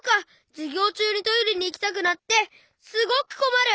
じゅぎょうちゅうにトイレにいきたくなってすごくこまる！